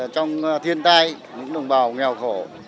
trong thiên tai những đồng bào nghèo khổ